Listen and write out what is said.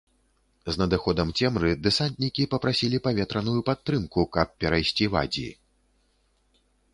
З надыходам цемры дэсантнікі папрасілі паветраную падтрымку, каб перайсці вадзі.